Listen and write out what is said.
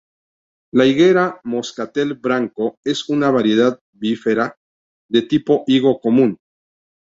La higuera 'Moscatel Branco' es una variedad bífera, del tipo Higo Común.